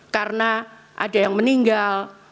karena ada yang meninggal